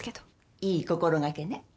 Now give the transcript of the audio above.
いい心掛けね。